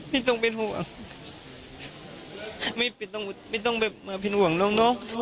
ไม่ต้องเป็นห่วงไม่ต้องมาเป็นห่วงน้อง